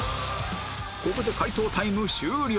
ここで解答タイム終了